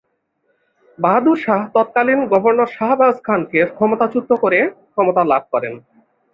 বাহাদুর শাহ তৎকালীন গভর্নর শাহবাজ খানকে ক্ষমতাচ্যুত করে ক্ষমতা লাভ করেন।